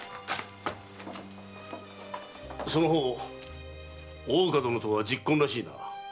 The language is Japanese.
その方大岡殿とは昵懇らしいな。